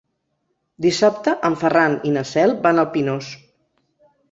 Dissabte en Ferran i na Cel van al Pinós.